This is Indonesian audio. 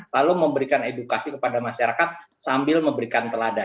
lalu memberikan edukasi kepada masyarakat sambil memberikan teladan